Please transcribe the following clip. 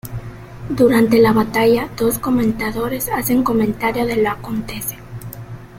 Durante la batalla, dos "comentadores" hacen comentario de lo acontece.